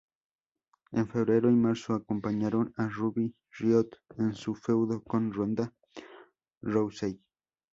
En febrero y marzo, acompañaron a Ruby Riott en su feudo con Ronda Rousey.